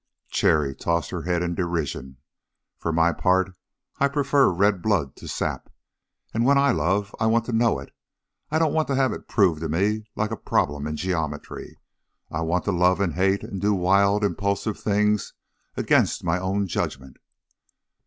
Cherry tossed her head in derision. "For my part, I prefer red blood to sap, and when I love I want to know it I don't want to have it proved to me like a problem in geometry. I want to love and hate, and do wild, impulsive things against my own judgment."